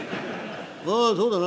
「ああそうだな。